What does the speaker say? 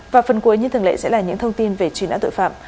và phần cuối như thường lệ sẽ là những thông tin về truy nã tội phạm